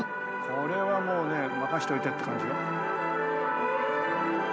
これはもう任せといてって感じ。